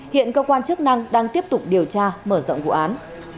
hiện cơ quan chức năng đang tiếp tục điều tra mở rộng vụ án